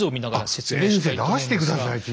先生出して下さい地図を。